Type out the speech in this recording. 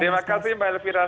terima kasih mbak elvira